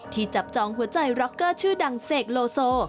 จับจองหัวใจร็อกเกอร์ชื่อดังเสกโลโซ